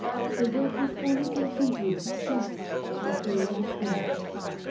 The work was only completed just as daylight broke.